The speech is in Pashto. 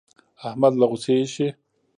احمد له غوسې اېشي.